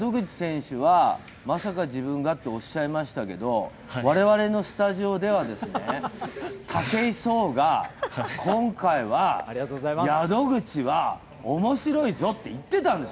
まさか自分がっておっしゃいましたけど、我々のスタジオでは武井壮が今回は、宿口は面白いぞって言ってたんです。